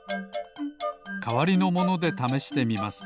かわりのものでためしてみます。